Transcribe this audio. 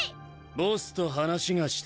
ボスと話がしてぇ。